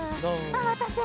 おまたせ。